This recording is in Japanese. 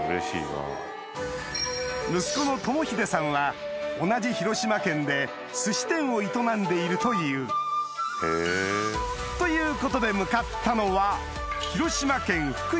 息子の智英さんは同じ広島県で寿司店を営んでいるというということで向かったのは失礼します。